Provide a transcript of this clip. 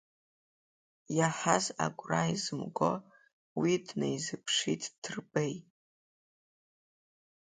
Иаҳаз агәра изымго, уи днеизыԥшит Ҭырбеи.